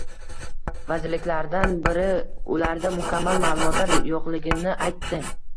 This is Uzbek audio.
Vazirliklardan biri ularda mukammal maʼlumotlar yoʻqligini aytdi.